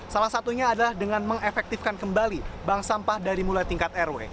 salah satunya adalah dengan mengefektifkan kembali bank sampah dari mulai tingkat rw